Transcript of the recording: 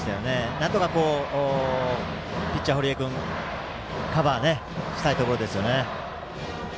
なんとかピッチャーの堀江君カバーしたいところですね。